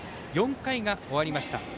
４回が終わりました。